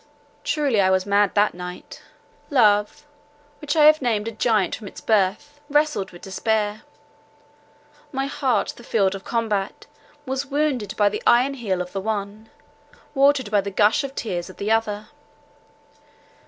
Truly, I was mad that night— love—which I have named a giant from its birth, wrestled with despair! My heart, the field of combat, was wounded by the iron heel of the one, watered by the gushing tears of the other.